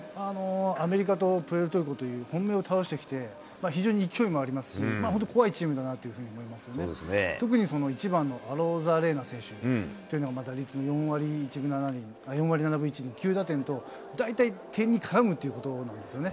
アメリカとプエルトリコという本命を倒してきて、勢いもありますし、怖いチームだと思いますね、特に１番のアロザレーナ選手という、４割７分１厘、９打点と、大体点に絡むということなんですよね。